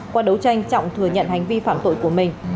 qua đấu tranh trọng thừa nhận hành vi phạm tội của mình